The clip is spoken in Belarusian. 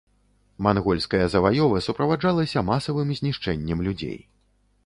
Мангольская заваёва суправаджалася масавым знішчэннем людзей.